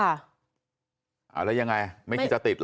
แล้วยังไงไม่คิดจะติดเหรอ